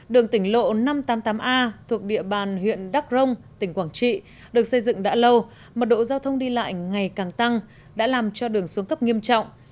đường tỉnh lộ năm trăm tám mươi tám a thuộc địa bàn huyện đắc rông tỉnh quảng trị được xây dựng đã lâu mật độ giao thông đi lại ngày càng tăng đã làm cho đường xuống cấp nghiêm trọng